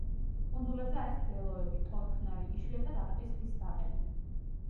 კუნძულებზე არის მდელოები, ტორფნარი, იშვიათად არყის ხის რაყები.